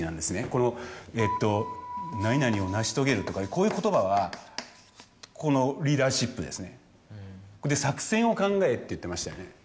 この何々を成し遂げるとかこういう言葉はこのリーダーシップですね。って言っていましたよね